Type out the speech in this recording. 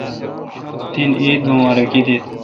تن عید امبا۔ رکی دیت۔